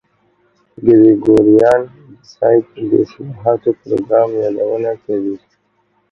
ګریګوریان د سید د اصلاحاتو پروګرام یادونه کوي.